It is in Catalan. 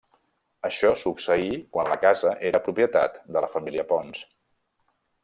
Això succeí quan la casa era propietat de la família Ponç.